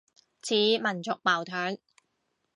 似民族矛盾